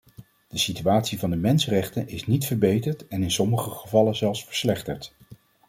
De situatie van de mensenrechten is niet verbeterd en in sommige gevallen zelfs verslechterd.